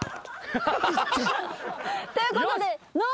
痛っ。ということで。